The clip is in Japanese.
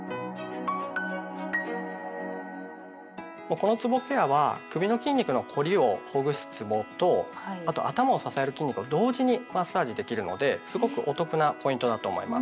このつぼケアは首の筋肉の凝りをほぐすつぼとあと頭を支える筋肉を同時にマッサージできるのですごくお得なポイントだと思います。